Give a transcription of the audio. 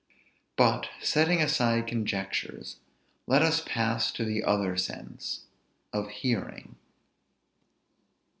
But, setting aside conjectures, let us pass to the other sense; of hearing.